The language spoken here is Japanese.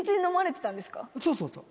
そうそうそう。